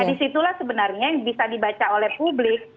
nah disitulah sebenarnya yang bisa dibaca oleh publik